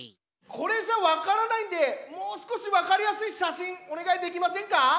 これじゃわからないんでもうすこしわかりやすいしゃしんおねがいできませんか？